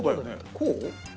こう？